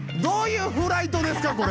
どういうフライトですか？